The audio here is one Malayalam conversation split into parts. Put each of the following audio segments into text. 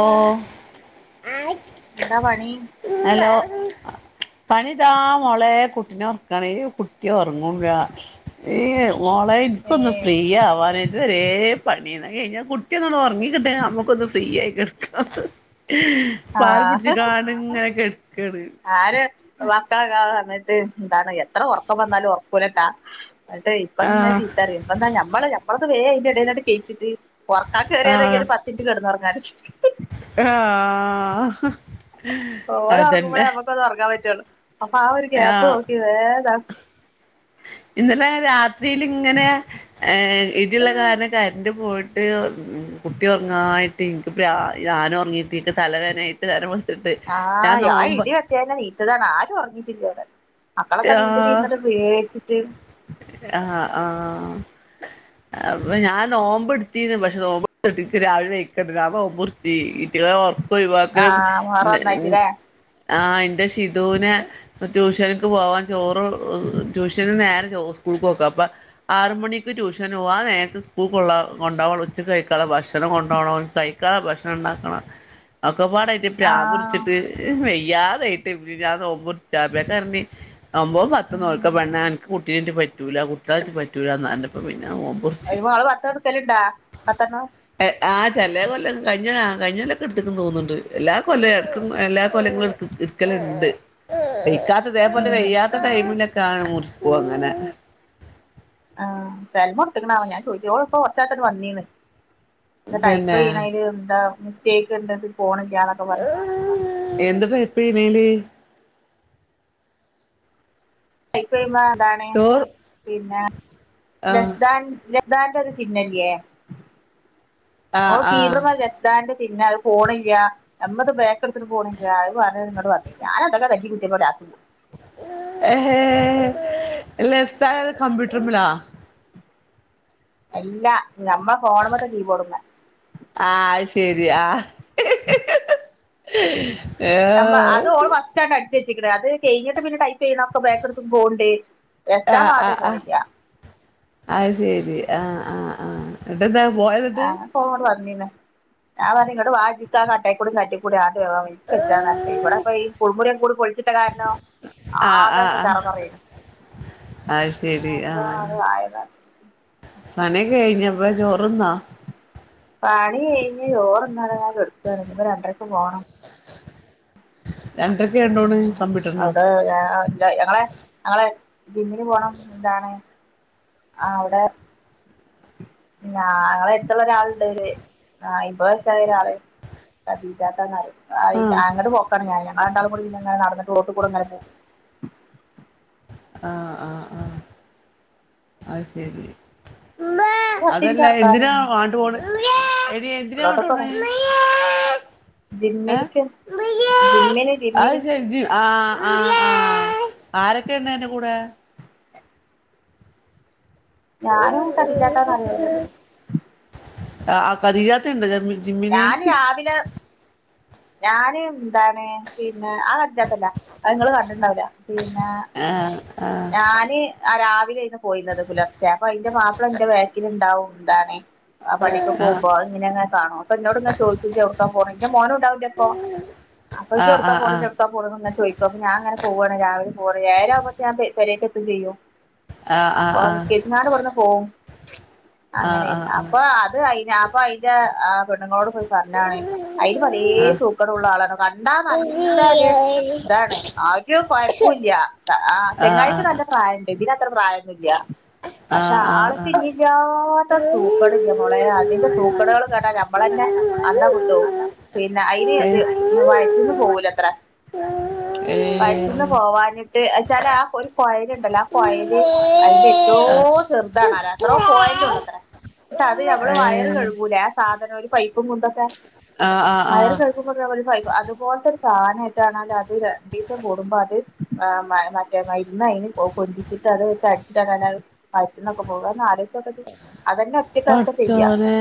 ഓ എന്താ പണി ഹലോ പണിദാ മോളെ കുട്ടിനെ ഒർക്കാണ് കുട്ടിഒർങ്ങൂല ഈ മോളെ ഏ ഇപ്പൊന്ന് ഫ്രീ ആവാനായിട്ട് ഒരേ പണി [unintelligible] കഴിഞ്ഞാ കുട്ടിഒന്ന് ടോ ഒർങ്ങി കിട്ടിയാൽ അമ്മക്കൊന്ന് ഫ്രീ ആകാം [unintelligible] പാലും ആഹ് പിടിച്ചികാണ്ട് തെ കെട് കേട് [unintelligible] ത് ന്താണ് എത്ര ഉറക്കം വന്നാലും ഒറക്കൂലട്ടാ ന്നട്ട് ഇപ്പങ്ങെ ആഹ് ചീത്തഅറിം യുന്നു ഇപ്പന്താ ഞമ്മള്ഞമ്മള വേ ഇതിന്റെ എഡേന്നട് കഴിച്ചിട്ട് ഒറക്കാ ആഹ് കേറിയാലെങ്കിലും പത്തിൻറ്റ് കിടന്നൊർങ്ങാന് ഹഹ് ഓരോർങ്ങുമ്പളെ നമുക്ക് ഒന്ന് ഒറങ്ങാൻ പറ്റുള്ളു അപ്പം ആ ഒരു ഗ്യാപ് ആഹ് നോക്കി വേതാ ഇന്നലെ രാത്രിൽ ഇങ്ങനെ ഏ ഇടിയുള്ള കാരന് കരന്റ് പോയിട്ട് കുട്ടി ഉറങ്ങായിട്ട് ട്ടിൻക് ബ്രാ ഞാന് ഉറങ്ങിയിടട്ടിൻക്ക് തലവേദനായിട്ട് നേരം വെൾ ആഹ് യ ഇടി വെട്ടിയെന്നെ നീച്ചതാണ് ആരുംഒർ [unintelligible] യാഹ് ആ ആഹ് അപ്പൊ ഞാൻ നോമ്പ്ടിച്ചീന്ന് പക്ഷെ നോമ്പ്ട്ട രാവിലെ വയ്ക്കണ്ട ഞാൻ നോമ്പുർചി ഇറ്റ്ങ്ങളെ ഒർ ആഹ് മൊഹറ ഒന്നായിട്ടില്ലേ ആ എന്റെ ഷിതുനെ ട്യൂഷൻ പോവാൻ ചോറ് ട്യൂഷന് നേരെ സ്കൂളുക്കൊക്കാ അപ്പ ആറുമണിക്ക് ട്യൂഷൻ പോവാ നേരത്തെ സ്കൂൾ കൊള്ള കൊണ്ടണം ഉച്ചക്ക്‌ കഴിക്കാനുള്ള ഭക്ഷണം കൊണ്ടണം കഴിക്ക ഭക്ഷണം ഒണ്ടാക്കണം അ ക്കപാടായിട്ട് പ്രാന്ത് ആഹ് പിടിച്ചിട്ട് വേ യാദായിട്ട് ഞാൻ നോമ്പ് മുറിച്ച [unintelligible] നൊമ്പോ പത്ത് നോൽക്ക ഉം പെണ്ണേ എനിക്ക് കുട്ടീട്ട് പറ്റൂല കുട്ടികളായിട്ട് പറ്റൂല എന്നറഞ്ഞപ്പോ പി അയ്‌വാ [unintelligible] ആ ചെല കൊല്ല കഴിഞ്ഞാ കഴിഞ്ഞല്ലൊക്കെ എടുക്കന്ന് തോന്നുന്നോണ്ട് എല്ലാ കൊല്ലും എല്ലാ കൊലും ഇടുക്കലുണ്ട് [unintelligible] ഇതേപോലെ ഉം വെയ്യാത്ത ടൈമിലൊക്കെ മുറിച്ചു പോ അങ്ങനെ ആ തലമറടുത്തക്കണാവ ഞാൻ ചോദിച്ചോ ഇപ്പൊ കുറച്ചാട്ടന്ന് വന്നീന്ന് ഏഹ് ടൈപ്പ് തന്നെ ചെയ്യണേല് എന്താ മി റ്റെക്ക് ണ്ട്ത് പോണ് എന്ത് [unintelligible] മേല് [unintelligible] എന്താണ് ചോറ് പിന്നെ ആഹ് ലെസ്സ് താൻ [unintelligible] യേതാണ്ടരു ചിഹ്നല്യേ ഓ ആഹ് ആഹ് [unintelligible] ലെസ്സ് താൻന്റെ പിന്നെ അത് പോണില്ല എമ്മത് ബേക്കെടുത്തിട്ട് പോണില്ല പറിയാൻ ഇങ്ങട് വന്ന് ഞാൻ അതക്കെ [unintelligible] [unintelligible] ഏഹ് ലസ്ത കമ്പ്യൂട്ടർമലാ അല്ല ഞമ്മ ഫോണ് മത്തെ കീബോഡ് മേ ശെരിയാ [inaudible] [unintelligible] [unintelligible] അത് ഓൾ ആഹ് ഫസ്റ്റ് അടി ച്ച്ചെക്കണ് അത് കെയിഞ്ഞിട്ട് പിന്നെ ടൈപ്പ് ചെയ്യണോക്കെ ബേക്കടുത്ത്പോണ്ട് ആഹ് ആ ആ ശെരി ആഹ് ആഹ് ആ [unintelligible] ആഹ് [unintelligible] വന്നിന് ഞാൻപറഞ്ഞ് ഇങ്ങട്ട്‌വാ ഇജ് ആ കട്ടേ ക്കൂടെ കാട്ടികൂടെയാണ് [unintelligible] ഇവിടെപ്പൊ ഈ കുൾമുറിക്കെ കൂടെ പൊളിച്ചിട്ട കാരണോ ആഹ് ആഹ് ആകെക്കെ ആഹ് ചറ പറയണ് അത് ശരി അപ്പൊ ആഹ് അത് ആയതാ കഴിഞ്ഞപ്പോചോറ് തിന്നോ പണി കഴിഞ്ഞ ചോറ്ന്ന് ഇങ്ങനെകിടക്കാണ് ഇനി രണ്ടരയ്ക്ക പോകണം ഉ [inaudible] ഉ അവിടെ ല്ല ഞങ്ങളെ ജിമ്മിന് പോണം എന്താണ് ആവ്ടെ ഞങ്ങളെ എടുത്തുള്ള ഒരാള് ഉണ്ട് ഇരൂപത് വയസായ ഒരാള് കതിാത്തന്ന [unintelligible] ആഹ് ആ അങ്ങട്ട പോക്കാണ് ഞാ ഞങ്ങളണ്ടാുംൂങ്ങന നടന്നട്ട് ോട്ട് കൂടെ അങ്ങനെ പോും [unintelligible] ആഹ ആഹ ആഹ അത് ശരി ഒരു പത്തിൻറ്റ് അതല്ല എന്തിനാ നടക്കാനുണ്ട് വണ്ട പോണ് ഇനി എന്തിനണ്ട ഉള്ളോട്ട് പോണ് ക്ക് ഏ ജിമ്മിൽക്ക് ജിമ്മിന് ജിമ്മിന് അത്ച ആ ആ ആരൊക്കെ ഉണ്ട് എന്റെ കൂടെ ഞാനും കടച്ചാട്ടാന്ന് അറിയല്ല ആ ആ ഖദീജാതത്ത ഉണ്ടോ ജിമ്മിന് ഞാന് രാവിലെ ഞാന് എന്താണ് പിന്നെ ആ അജാത്തല്ല നിങ്ങള്ൾ കണ്ടിണ്ടാവില്ല ആഏ ഞാന് ആ രാ ഇന്ന് പോയുന്നത് പുലർച്ചെ അപ്പൊ അതിന്റെ മാപ്പിള എന്റെ വേക്ക ഉണ്ടാവും എന്താണ്േ ആ പള്ളിക്കക്ക് പോുമ്പോങ്ങന അങ്ങന കാണ അൊ എന്നോട്ങ്ങന ചോദിക്കും എവിടേക്ക് ആ പോണെ മോന് - ഉണ്ട അപ്പൊ ആ ആ ആ ചെടുക്കാ പോ ചെറുക്ക പോെ ചോദിക്കോ അപ്പൊ ഞാൻ അങ്ങനെ പോവുവാണ് രാവിലെ കുറെനേരം അങ്ങ് ഞാൻ പേരെക്കെ എത്ത ചെയ്യോ ആ ആ ആ ആ അപ്പൊ ആ നിസ്കേച്ചനാട് പുറന്ന് പോകവും [unintelligible] ആ ആ ആ അങ്ങനെയല്ല അപ്പൊ അത് ഞാ അപ്പൊ അതിന്റെ ആ് പെണ്ണുങ്ങളോട് പോയി പറഞ്ഞാണ് അതില് പല ആ സൂക്കടമ ഉള്ള ആളാണോ കണ്ടാ നല്ലര് ഇതാണ് ആ ഒരു കൊഴപ്പല്ല ആ ആ ആ ചേട്ടായിക്ക് നല്ല പ്രായം ഉണ്ട് ഇതിന അത്ര പ്രായന്നുമില്ല പക്ഷെ ആള് പിന്നെില്ലാത്ത സൂക്കടില്ല മോളെ അതിന്റെ സൂക്കടകൾ കണ്ടാ നമ്മള തന്നെ അന്ത കട്ടവും പിന്നെ അതിന് ഏ വയറ്റിന്ന് പോകൂലത്ര ഏ വയറ്റിന്ന് പോവാനിട്ട് ചല [unintelligible] പോായി ല് അതിന്റെ ഏറ്റ ചെറതല്ലോ അത്രോ ആ പോയിന്റ് ഉള്ള അത്ര അത് ഏ നമ്മള് വയറ് കഴുകൂലേ ആാ അങ്ങനെ ഒരു പൈപ്പും കുണ്ടൊക്കെ ആ ആ ആ വയറ് കേൾക്കുമ്പ [unintelligible] അതുപോലത്തൊരു സാനട്ടാണല്ലത് അത് രണ്ടീസം കൂടുമ്പോ അത് ആ മ മ റ്റെ മരുന്ന് അതിന് കൊ കൊഞ്ചിച്ചിട്ട് അത് വെച്ച് അടിച്ചിട്ടാ ഞാനത് [unintelligible] പോവാ ഒന്ന് ആലോജിച്ചോക്കത് അതന്നെ ഒറ്റക്ക ഒക്കെ ചെയ്യാ പടച്ചോനെ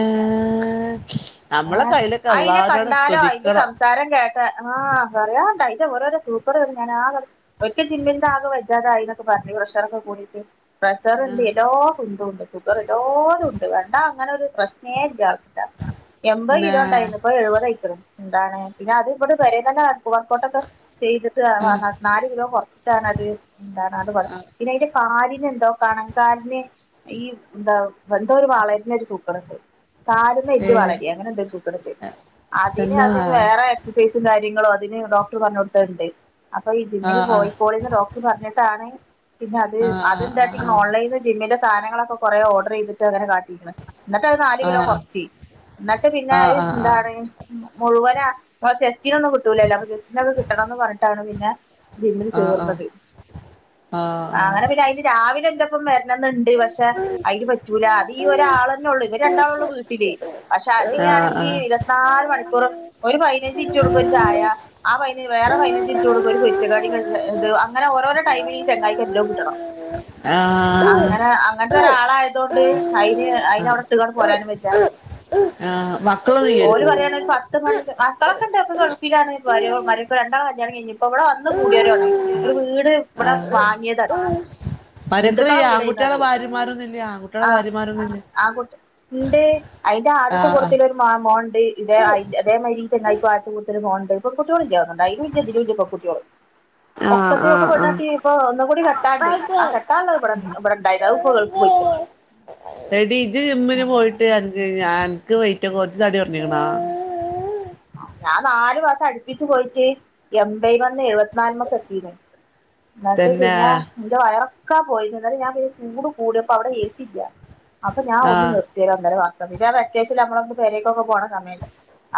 നമ്മളെ ഏഹ് കയ്യിലൊക്കെ അതിനെ അള്ളാഹിനോട് കണ്ടാലോ അതിന്റെ സ്തുതിക്കണം സംസാരം കേട്ടാ ഹാ പറയാം ഇത് ഓരോരോ സൂക്കേട് വരും ഞാനാകെ ഒരിക്കൽ [unintelligible] ആകെ വെജ്ജാതായിന്നൊക്കെ പറഞ്ഞു പ്രഷറൊക്കെ കൂടീട്ട്. ആ പ്രഷറിണ്ട് എല്ലാ കുന്തോഇണ്ട്. ഷുഗർ എല്ലാനും ഉണ്ട് കണ്ടാ അങ്ങനെ ഒരു പ്രശ്നേ ഇല്ല ആക്ക്. [unintelligible] എൺപത് ന്നെ കിലോ ഇണ്ടായിന്നൂ ഇപ്പൊ എഴുപത് ആയിക്കണു എന്താണ് പിന്നെ അത് ഇവിടെ പെരേന്നെന്നാ വർക്കൗട്ടൊക്കെ ചെയ്തിട്ട് ആ നാ നാല് കിലോ കൊറച്ച് എന്താണത് എന്താണ അത് [unintelligible] പിന്നെ അതിന്റെ കാലിനെന്തോ കണങ്കാലിന് ഈ എന്താ എന്തോ ഒരു വളരുന്ന ഒരു സൂക്കേടെണ്ട് കാലുമ്മേ ഏ എല്ല് വളര്യ അങ്ങനെ എന്തോ സൂക്കേടിണ്ട്. അതിന് തന്നെ അതിന് വേറെ ആ എക്സസൈസും കാര്യങ്ങളു ആ പിന്നീ ഡോക്ടറ് പറഞ്ഞു കൊടുത്തതെണ്ട് അപ്പൊ ഈ ആ ജിമ്മിന് പോയി ആ പിന്നെ ഡോക്ടർ പറഞ്ഞിട്ടാണ് പിന്നത് ആ അത് ആ ആ എന്താക്കിരിക്കണ് ജിമ്മിലെ സാനങ്ങളൊക്കെ കൊറെ ഓർഡർ ചെയ്തിട്ട് അങ്ങനെ കാണിച്ചിക്കിന്ന് എന്നിട്ട് അത് നാല് ആ ആ കിലോ ആ കൊറച് എന്നിട്ട് പിന്നെ ആ ആ ആയിശ് ആ എന്താണ് മുഴുവനാ ആ ചെസ്റ്റിനൊന്നും കിട്ടൂല്ലല്ലോ അപ്പൊ ചെസ്റ്റിനോക്കെ കിട്ടാണെന്നു പറഞ്ഞിട്ടാണ് പിന്നെ ആ ചേർന്നത് ആ അങ്ങനെ ആ പിന്നെ അതിനെ രാവിലെ ഇപ്പം [unintelligible] ഇപ്പം വരണന്നിണ്ട് പക്ഷെ അതിന് പറ്റൂല അത് ഈ ഒരാളെന്നെ ഒള്ളു ഈ രണ്ടാളെ ഇള്ളൂ വീട്ടില് പക്ഷെ അതിനണെങ്കി ഇരുപത്തിനാല് മണിക്കൂറും ഒര് പയിനാജ് മിനിറ്റ് കൂടുമ്പോ ഒര് ചായ ആ വേറെ പയിനാജ് മിനിറ്റ് കുടുംബ ഒര് പൊരിച്ച കടി ആ ഇത് അങ്ങനെ ഓരോരോ ടൈമിൽ ഈ ചെങ്ങായിക്ക് എല്ലൊം കിട്ടണം ആഹാ ഒരാളെയൊണ്ടേ അയിന അവിടെ ഇട്ടികൊണ്ടേ പോരാനും വെച്ച ആ മക്കള് ഇല്ലായിരിക്കും മക്കളെക്കൊണ്ട് ഓക്ക് കൊഴപ്പില്ലാന്ന് മരു മരുമാക്കോളേ രണ്ടാളെ കല്യാണം കഴിഞ്ഞ് ഇപ്പൊ ഇവിടെ വന്ന് കുടുയോരെള്ളു ഒര് വീട് ഇവിടെ വാങ്ങിയതാണ് മരുമകളെ ഈ ഹിന്ദുക്കളെ വീടേയ്ന്നു ആങ്കുട്ടികളെ അത് ഭാര്യമാരൊന്നും ഇല്ല ആങ്കുട്ടികളെ ആ ഭാര്യമാരൊന്നും ആ കുട്ടി ഇണ്ട് അതിന്റെ ആദ്യത്തെ ആഹ് കൊളിത്തിലൊരു മോനി ആഹ് ഇതേ മാതിരി [unintelligible] പെൺകുട്ടികൾ ഇല്ലാ തോന്നുന്നു അയലില്ല ഇതിലും ഇല്ല പെൺകുട്ടികള് അ ഒക്കത്തിനും അ ഒക്കെ അ പെണ്ണെട്ടി ഇപ്പൊ ഒന്നും കൂടി കെട്ടാണ്ട് ആ കെട്ടാനുള്ളത് ഇവിടെ ഇവിടെ ഇണ്ടായില്ല അത് ഇപ്പൊ ഗൾഫ് പോയിക്ക്ണ് എടി ഇജ് ജിമ്മിന് പോയിട്ട് അനക്ക് അനക്ക് ഞാ വെയി എന്റെ കൊറച്ച് തടി കൊറഞ്ഞിന് ബാ ഞാൻ നാല് മാസം അടുപ്പിച്ചപോയിട്ട് എംബയമെന്നേ എഴുപത്തിനാലുമ്മക്ക് എത്തിയ്ന് എന്നിട്ട് തന്നെ പിന്നെ ഇന്റെ വയറൊക്കെ ഇക്കാ പോയിന് അന്നേരം ഞാൻ ചൂട് കുടിയപ്പോ അവിടെ എസി ഇല്ല അപ്പൊ ഞാൻ ഒന്ന് ആഹ് നിർത്തിന് ഒന്നെര മാസം അത്യാശ്യം നമ്മളൊക്ക പെരേക്കൊക്ക പോണ സമയല്ലേ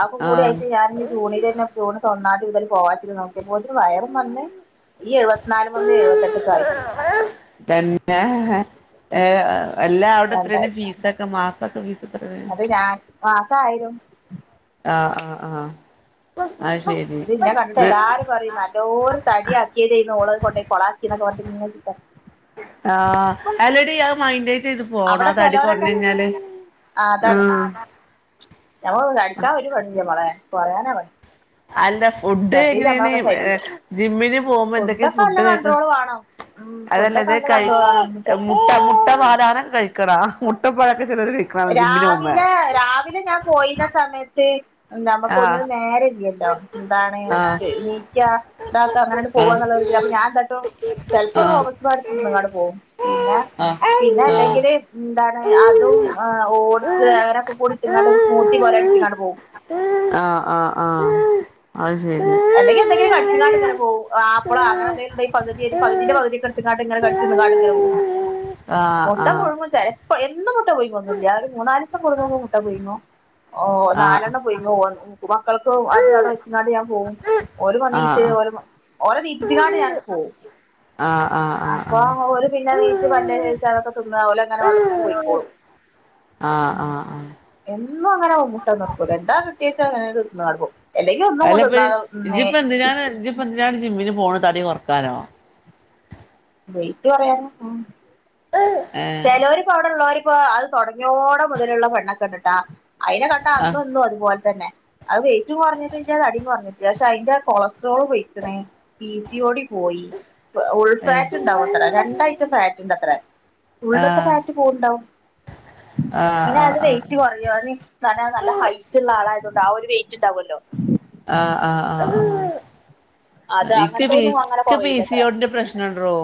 അ ആഹ് കൂടിയായിട്ട് ഞാൻ ഈ ജൂണിലെന്ന സ്കൂള് തൊറന്നാല് [unintelligible] നോക്കിയപ്പോ ഒരു വയറും വന്ന് ഈ നാല് [unintelligible] തന്നേഹ് ഏഹ് അല്ല അവിടെ എത്രേണ് അതാണ്ടായത് ഫീസക്ക മാസൊക്കെ ഫീസ് എത്രാണ് അത് ഞാൻ മാസായിരും ആഹ് ആഹ് ആഹ്. അത് ശരി അത് ന്നെ കണ്ടിട്ട് എല്ലാരും പറയും നല്ലോരു തടി ആക്കിയ ചെയ്യന്ന് ഓളത് കൊണ്ടോയി കൊളക്കിന്നക്ക പറ [unintelligible] ആഹ് അല്ലിടി അത് മൈൻഡ ചെയ്ത് പോണ അവിടെ അതാടി ചെലോരൊക്കെ കുറഞ്ഞഴിഞ്ഞാല് ആഹ് ഞമ്മ തടിച്ച വലിയ പണിയുണ്ട് കൊറയാൻ പറയാന ആവ അല്ല ഫുഡ് എങ്ങനെണ് ർ ശരീരം ജിമ്മിന് പോവുമ്പ എന്തൊക്കെ ഫുഡൊക്കെ നല്ല ഫുഡ് തേക്ക കൺട്രോള് വാണം ഉം ഫുഡൊക്കെ അതല്ലത് നല്ല കൈ കൺട്രോള് വാണം ച്ച മുട്ട മുട്ട മാല കഴിക്കറ മുട്ടപ്പഴക്ക രാവിലെ രാവിലെ ഞാൻ പോയിന്ന സമയത്ത് നമുക്ക് ആഹ് ഒന്നിനും നേര ഇല്ല്യല്ലോ ന്താണ് നമുക്ക് ആഹ് നീക്ക ഇതാക്ക അങ്ങനെങ്ങട്പോവുക ആഹ് പോവാന്നുള്ളരിതില് അപ്പൊ ഞാൻന്താട്ടോ ചെല്പം ഒര് ആഹ് റോബസ്റ്റ്പഴേടുത്തി തിന്നങാണ്ട് പോവും പിന്ന ആഹ് ആഹ് പിന്ന അല്ലെങ്കില് മം ന്തണ് അതും ആ ഓട്സ് അങ്ങനൊക്കെ ഇട്ട്ങ്ങാണ്ട് ഒരു സ്മൂത്തി പോലെ അടിച്ച ങ്ങാണ്ട് പോവും. അ യ് ശെരി. അല്ലെങ്കി എന്തങ്കിലും കടിച്ചിങ്ങാണ്ടി ങ്ങനെ ആപ്പളാ അങ്ങനന്തെലുംണ്ടങ്കി പകുതി പകുതിന്റെ പകുതി ഇടുത്തുകാട് ഇങ്ങനെ കടിച്ച് തിന്ന്ങാണ്ട് ഇങ്ങനെ പോകും ആഹ് മുട്ടാ ആഹ് പൊഴുങ്ങു ചെ ഇപ്പ എന്നും മുട്ട പൂയിങൊന്നുല്ല ഒരു മൂന്നാലിസം കൂടിമ്പോ മുട്ട പൂയിങും. ഓ ആഹ് ആഹ് നാലെണ്ണം പൂയിങ്ങോ ഒ വ മക്കൾക്ക അത് അവിടെ വച്ചിങ്ങാണ്ട് ഞൻ പോകും. ഒരു മ നീച്ച് ആഹ് ഓരോ ഓരോ നീ പ്പിച്ചിങ്ങാണ്ട് ഞാന് പോവും ആഹ് ആഹ് അപ്പൊ ആഹ് ഓര് പിന്നെ നീച്ച് പല്ല്‌തേച്ച് അതൊക്കെ തി ന്നാവുല ങ്ങനെ ആ ആ ആ ന്നും അങ്ങനെ മുട്ടന്ന കൊടുക്കുലാ എന്താ കിട്ടിയെച്ചാ അങ്ങനെങ്ങട് തിന്നടക്കും. അല്ലെങ്കി ഒന്നും കൊ തിന്നാലോ [unintelligible] ഇജിപ്പ് എന്തിനാണ് ഇജിപ്പ് എന്തിനാണ് ജിമ്മിന് പോവുന്നത് തടി കൊർക്കാനോ വെയിറ്റ് കുറയാൻ ഏ ചിലോർ ഇപ്പൊ അവിടെ ഉള്ളോർ ഇപ്പൊ അത് തുടങ്ങിയോടെ മുതലുള്ള പെണ്ണൊക്കെ ഉണ്ട്ട്ടാ അതിനെ കണ്ടാ ആ അന്നുംഇന്നും ഒരുപോലെ തന്നെ അത് വെയിറ്റും കുറഞ്ഞിട്ടില്ല തടീം കുറഞ്ഞിട്ടില്ല പക്ഷെ അതിന്റെ കൊളസ്ട്രോള് പൊയ്ക്കണ് പി സി ഓടി പോയി ഏ ഉൾഫാറ്റ് ഉണ്ടാവും അത്ര രണ്ടായിഐറ്റം ഫാറ്റ് ഉണ്ട് അത്ര ആ ഉള്ളൊത്തെ ഫാറ്റ് പോണ്ടാവും ആ ഇങ്ങനെ ആ ആ ആയാലും വെയിറ്റ് കുറയും നല്ല ഹൈറ്റ്ള്ള ആളായതോണ്ട് ആ ഒരു വെയിറ്റ് ഉണ്ടാവുല്ലോ ആ ആ ആ ആ അത് ഇക്ക് അങ്ങനത്തെ പി ഒന്നും അങ്ങനെ ഇക്ക് പി കുറയൂലത്ര സിയോടിന്റെ പ്രശ്നണ്ടടോ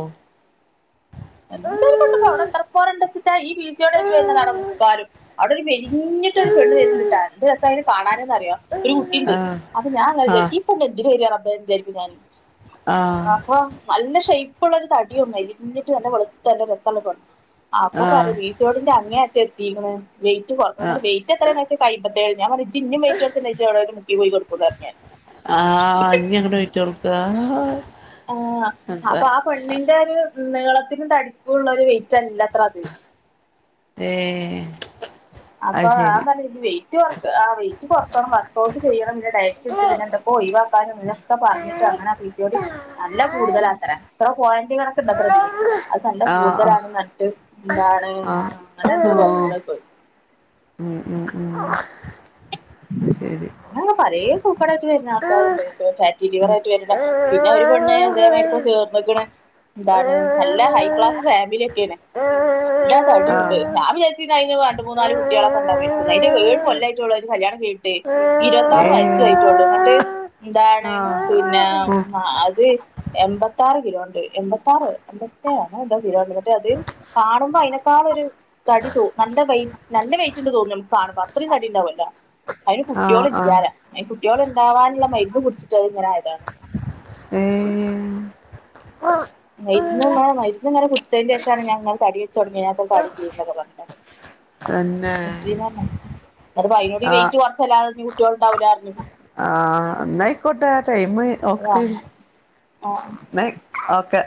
എന്തൊരു കൊണ്ടു പോ അവിടെ എത്ര പോരെ ഉണ്ടെ ച്ച ഈ പീ സിയോട് വരതാണ് മുക്കാലും അവിടെ ഒരു മേൽഞ്ഞി ട്ടൊരു പെണ് വരുണ് ട്ടാ എന്തു രസാ അയിനെ കാണാനന്ന്റിയാം ഒരു കുട്ടിയുണ്ട് ആ അപ്പൊ ഞാൻ ആ വിചാരിക്കും ഈ പെണ്ണ് എന്തിന് വരാ റബ്ബേ [unintelligible] ആ അപ്പൊ നല്ല അ ഇപ്പൊ ഉള്ളരു തടി മെലിഞ്ഞിട്ട ട്ട് നല്ല വെളുത്ത നല്ല രസം ഉള്ള ഒരു പെണ്ണ്. അപ്പൊ ആ പറയ വീസിയോടിന്റെ അങേ യറ്റം എത്തി എത്തീക്ക്ണ് വെയിറ്റ് കുറക്കണം ആ അപ്പൊ വെയ്റ്റ് എത്ര എന്ന് ചോദിച്ചപ്പോൾ അയമ്പത് ഞാൻ പറഞ്ഞു ഇജ്ജ് ഇനീം വെയിറ്റ് കുറച്ചാൽ ഇജ്ജ് അവിടെ എവിടേം മുക്കിൽ പോയി കിടക്കും ആ ഇഞ്ഞി അങ്ങട് [unintelligible] ആഹ എന്താ അപ്പൊ ആ പെണ്ണിന്റെ ഒരു നീളത്തിനും തടിക്കുള്ള ഒരു വെയിറ്റ്ല്ല അത്ര അത് ഏ അപ്പൊ അത് ഞാൻ പറഞ്ഞു ഇജ്ജ് വെറ്റ് വെയിറ്റ് കൊറക്കണം വർക്ക്ഔട്ട് ചെയ്യണം പിന്നെ ഡയക്റ്റ് എടുത്ത് പിന്നെ എന്തൊക്കെ ഒഴിവാക്കണം [inaudible] [unintelligible] ഒക്കെ പറഞ്ഞിട്ട് അങ്ങനെ പി സിയോടി നല്ല കൂടുതല ശരി അത്ര എത്ര പോയിന്റുകളൊക്കെ ഇണ്ട്ത്ര ഇതിന് അത് നല്ല ആഹ് ആഹ് കൂടുതലാണ് ന്നിട്ട് എന്താണ് അങ്ങനെ എത്ര പറഞ്ഞുക്കണ്ടത് ഇപ്പൊ മം ഉം ഉം അത് ശരി പേ പഴേ സൂപ്പറാ യിട്ട് വരുന്ന ഉം ആൾക്കാരുണ്ട് ഇ ഫാറ്റി ലിവർ ആയിട്ട് വരണ്ട ആഹ് പിന്നെ ഒരു പെണ്ണ് എന്തേതിരി ഏഹ് ചേർന്ന [unintelligible] എന്താണ് നല്ല ഹൈ ക്ലാസ് ഫാമിലി ഒക്കെയാണ് നല്ല ആഹ് ഉം അടിയണ്ട്ഞാൻച ഏതു കഴിഞ്ഞ് രണ്ട് മൂന്നാല് കുട്ടികളക്കെണ്ടരിക്കുന്നത് അതിന്റെ ഏഴു കൊല്ല [unintelligible] [unintelligible] ഇരുപത്താറ് വയസയിട്ടുള്ളൂ എന്നട്ടേ എന്താണ് പിന്നെ അത് എൺമ്പത്താറ് കിലോണ്ട് എൺമ്പത്ത ആറ് എപത്തോണ് എ കിലോണ്ട് മറ്റേ അത് കാണുമ്പോ അതിനേക്കാള ഒരു തടി ത നല്ല വ നല്ല വെറ്റിണ്ട് തോന്നുന്നു നമുക്ക് കാണുമ്പ അത്രയും തടി ഉണ്ടാവൻ അതിന് കുട്ടികോള ആഹ് ആഹ് ഇാല അ കുട്ടികോള ഉണ്ടാവാനുള്ള മരുന്ന് കുടിച്ചിട്ടത് ഇങ്ങനെയതാണ് ഏഹ് മരുന്ന്മ്മ മരുന്ന് ഇങ്ങനെ കുടിച്ചതിന്റെ ശേഷമാണ് ഞാൻ അങ്ങനെ തടി വെച്ച് തുടങ്ങി ഞ തടിരുന്നൊക്കെഞ്ഞോ തന്നെ അത് അതിനനോട് ആഹ് വെയിറ്റ് കൊറച്ചല്ലാതെ കുട്ടികളു ണ്ടാവൂലാ യിരുന്നു നൈക്കോട്ടെ ആ ടൈമ് ഓക്ക വാങ്ങാ ന ഓക്കെ